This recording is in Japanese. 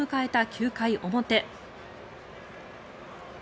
９回表。